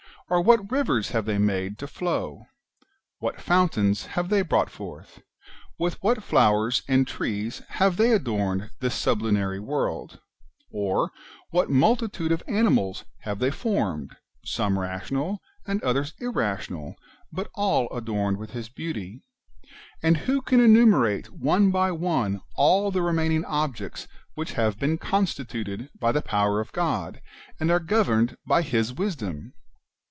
or, what rivers have they made to flow ? what fountains have they brought forth ? wdth what flowers and trees have they adorned this sublunary world ? or, what multitude of animals have they formed, some rational, and others irrational, but all adorned with beauty? And who can enumerate one by one all the re maining objects which have been constituted by the power of God, and are governed by His wisdom